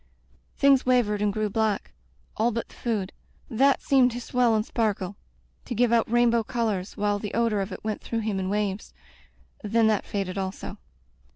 Things wavered and grew black — all but the food. That seemed to swell and sparkle — to give out rainbow colors, while the odor of it went through him in waves. Then that faded also.